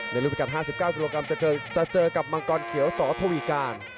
รูปประกัน๕๙กิโลกรัมจะเจอกับมังกรเขียวสอทวีการ